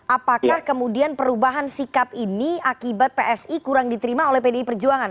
apakah kemudian perubahan sikap ini akibat psi kurang diterima oleh pdi perjuangan